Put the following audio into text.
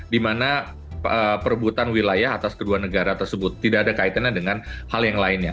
di mana perebutan wilayah atas kedua negara tersebut tidak ada kaitannya dengan hal yang lainnya